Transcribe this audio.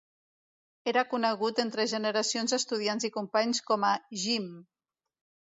Era conegut entre generacions d'estudiants i companys com a "Gim".